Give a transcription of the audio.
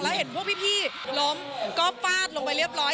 แล้วเห็นพวกพี่ล้มก็ฟาดลงไปเรียบร้อย